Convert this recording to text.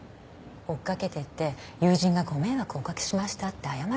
追っ掛けてって友人がご迷惑をお掛けしましたって謝れば？